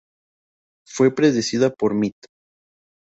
Fue precedida por "Mitt.